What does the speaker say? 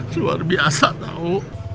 luar biasa tahu